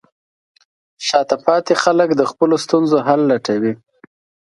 شاته پاتې خلک د خپلو ستونزو حل لټوي.